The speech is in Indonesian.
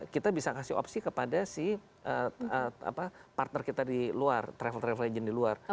kita bisa kasih opsi kepada si partner kita di luar travel travel legend di luar